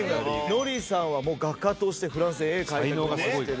ノリさんはもう画家としてフランスで絵描いたりとかもしてるし。